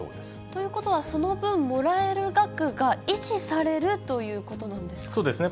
ということは、その分もらえる額が維持されるということなんですか？